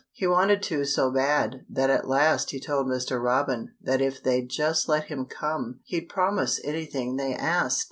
He wanted to so bad that at last he told Mr. Robin that if they'd just let him come he'd promise anything they asked.